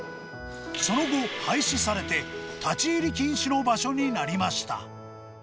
その後、廃止されて立ち入り禁止の場所になりました。